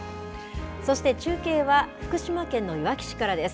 そして中継は、福島県のいわき市からです。